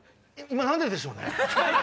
今何ででしょうね？